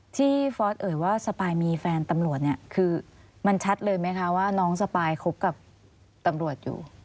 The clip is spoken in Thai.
ที่ฟอสเอ่ยว่าสบายมีแฟนตังโหลดเนี่ยคือมันชัดเลยไหมคะว่าน้องสบายคบกับตังโหลดอยู่